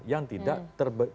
yang tidak terbele